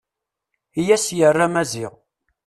I as-yerra Maziɣ.